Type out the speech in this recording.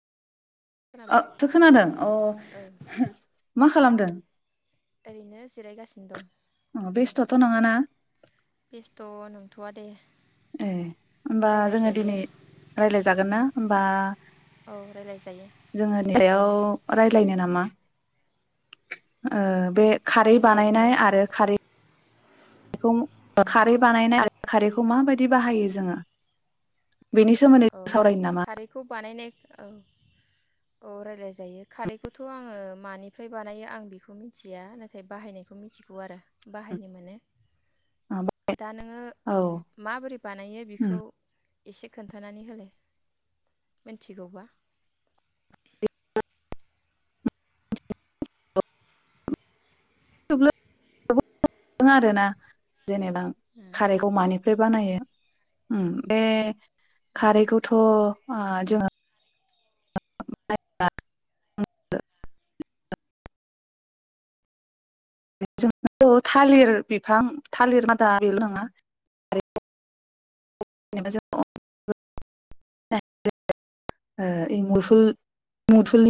अ खोनाबाय थो खोनादों अ ओ मा खालामदों? ओरैनो जिरायगासिनो दं। अ बेस्थ'थ' नङाना? नङा दे। ए होमबा जोङो रायलायजायो दिनै राय्लाय जागोन ना? होमबा औ रायलाय जायो। औ रायलायनो नामा ओ बे खारै दे बुंलाय बानायनाय आरो खारै खारै बानायनाय खारैखौ माबायदि बाहायो जोङो? बेनि सोमोन्दै औ जों सावरायनो नामा? खारैखौ बानायनाय औ औ राय्लायजायो खारैखौथ' आङो मानिफ्राय बानायो आं बेखौ मिन्थिया नाथाय बाहायनायखौ मिथिगौ आरो बाहायनो मोनो। दा नोङो औ माबोरै बानायो बेखौ एसे खोन न्थानानै होलाय मिथिगौबा? [unintelligible] आरोना जेनेबा उम खारैखौ मानिफ्राय बानायो। उम बे उम खारैखौथ' आ जोङो [unintelligible] जों थालिर बिफां थालिर मादा बेल' नङा [unintelligible]